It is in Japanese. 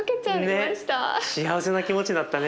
幸せな気持ちになったね。